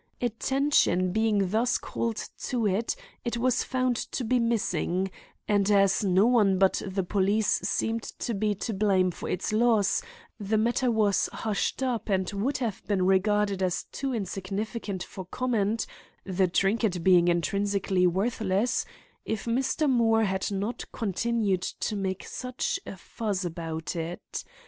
Attention being thus called to it, it was found to be missing, and as no one but the police seemed to be to blame for its loss the matter was hushed up and would have been regarded as too insignificant for comment, the trinket being intrinsically worthless, if Mr. Moore had not continued to make such a fuss about it.